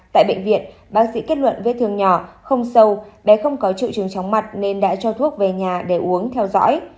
tại bệnh viện bác sĩ kết luận vết thương nhỏ không sâu bé không có triệu chứng chóng mặt nên đã cho thuốc về nhà để uống theo dõi